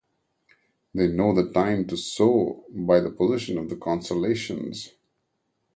They know the time to sow by the position of the constellations.